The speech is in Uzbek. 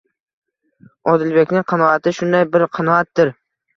Odilbekning qanoati shunday bir qanoatdir.